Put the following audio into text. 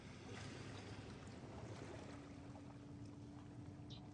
Alihudumia wizara ya ulinzi na afya kwa vipindi tofauti